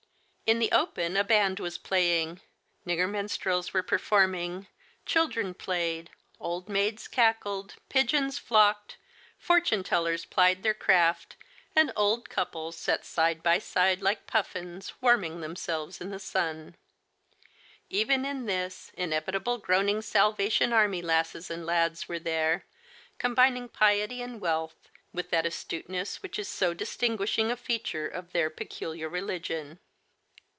In the open a band was playing, nigger min strels were performing, children played, old maids cackled, pigeons flocked, fortune tellers plied their craft, and old couples sat side by side like pufiins, warming themselves in the sun. Even in this inevitable groaning Salvation Army lasses and Digitized by Google HELEN MATHERS, 5 lads were there, combining piety and wealth with that astuteness which is so distinguishinga feature of their peculiar reh'gion.